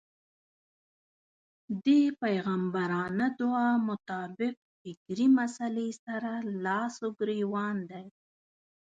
دې پيغمبرانه دعا مطابق فکري مسئلې سره لاس و ګرېوان دی.